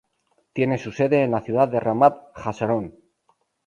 Tiene su sede en la ciudad de Ramat HaSharon.